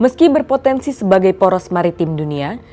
meski berpotensi sebagai poros maritim dunia